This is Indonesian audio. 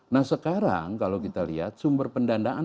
nah sekarang kalau kita lihat sumber pendanaan